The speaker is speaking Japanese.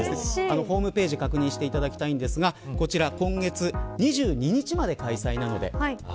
ホームページ確認していただきたいんですがこちら今月２２日まで開催なので。